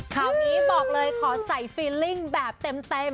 ข่าวนี้บอกเลยขอใส่ฟิลลิ่งแบบเต็ม